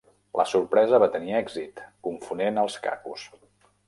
La sorpresa va tenir èxit, confonent als Cacos.